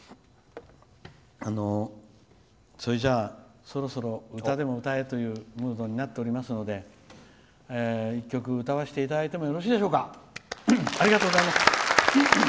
それじゃ、そろそろ歌でも歌えというムードになっておりますので一曲、歌わせていただいてもよろしいでしょうか。